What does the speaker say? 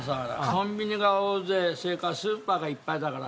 コンビニが大勢それからスーパーがいっぱいだから。